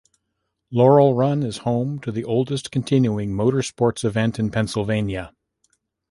Laurel Run is home to the oldest continuing motorsports event in Pennsylvania.